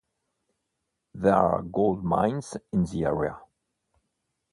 There are gold mines in the area.